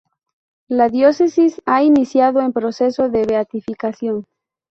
La diócesis ha iniciado en proceso de beatificación.